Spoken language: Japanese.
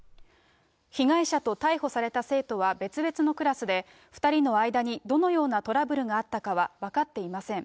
被害者と逮捕された生徒は別々のクラスで、２人の間にどのようなトラブルがあったかは分かっていません。